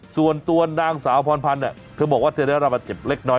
ส่วนตัวนางสาวพรพันธ์เธอบอกว่าเธอได้รับบาดเจ็บเล็กน้อย